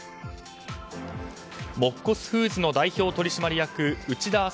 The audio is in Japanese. もっこすフーズの代表取締役内田阿